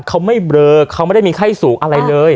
เขาไม่เบลอเขาไม่ได้มีไข้สูงอะไรเลย